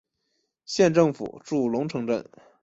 县政府驻龙城镇。